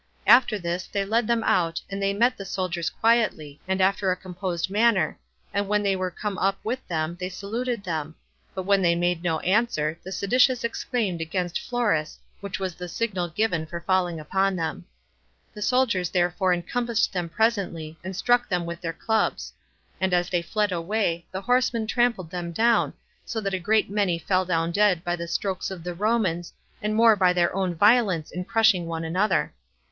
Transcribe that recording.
After this they led them out, and they met the soldiers quietly, and after a composed manner, and when they were come up with them, they saluted them; but when they made no answer, the seditious exclaimed against Florus, which was the signal given for falling upon them. The soldiers therefore encompassed them presently, and struck them with their clubs; and as they fled away, the horsemen trampled them down, so that a great many fell down dead by the strokes of the Romans, and more by their own violence in crushing one another.